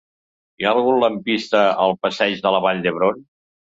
Hi ha algun lampista al passeig de la Vall d'Hebron?